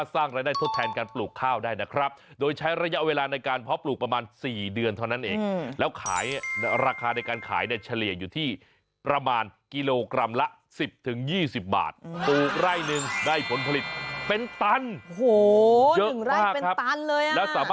แต่หลักเขาขายตัวกระจับนี่แหละครับ